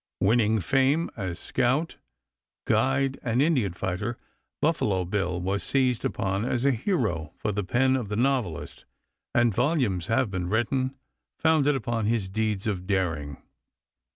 Winning fame as scout, guide, and Indian fighter, Buffalo Bill was seized upon as a hero for the pen of the novelist, and volumes have been written founded upon his deeds of daring.